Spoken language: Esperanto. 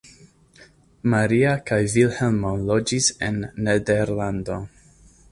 Maria kaj Vilhelmo loĝis en Nederlando.